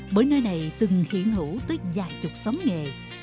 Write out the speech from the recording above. bởi nơi này từng hiện hữu tới vài chục xóm nghề